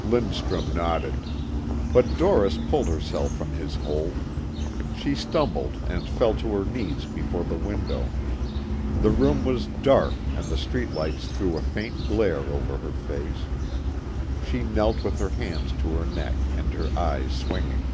Lindstrum nodded. But Doris pulled herself from his hold. She stumbled and fell to her knees before the window. The room was dark and the street lights threw a faint glare over her face. She knelt with her hands to her neck and her eyes swinging.